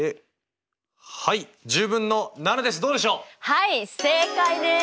はい正解です！